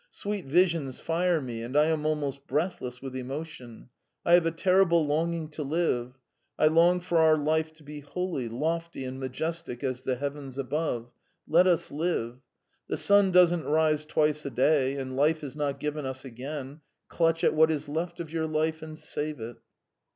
Sweet visions fire me, and I am almost breathless with emotion. I have a terrible longing to live. I long for our life to be holy, lofty, and majestic as the heavens above. Let us live! The sun doesn't rise twice a day, and life is not given us again clutch at what is left of your life and save it.